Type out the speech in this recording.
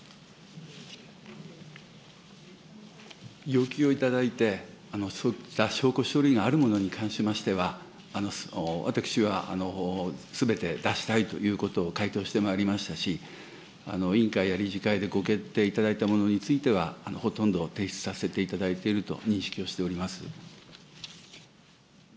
要求を頂いて、そうした証拠書類があるものに関しましては、私はすべて出したいということを回答してまいりましたし、委員会や理事会でご決定いただいたものにつきましては、ほとんど提出させていただいていると認識をしております。